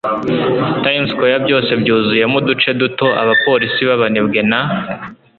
Times Square byose byuzuyemo uduce duto abapolisi b'abanebwe na